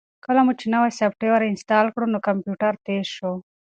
کله چې ما نوی سافټویر انسټال کړ نو کمپیوټر تېز شو.